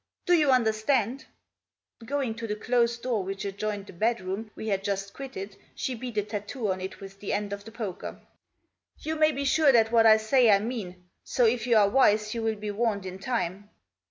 Do you understand ?" Going to the closed door which adjoined the bed room we had Just quitted she beat a tattoo oft ft with the end of the poker. rt You may be sure that what I say I meari> so If you are wise you will be warned in time.